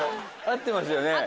合ってますよね